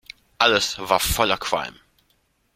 Alles war voller Qualm.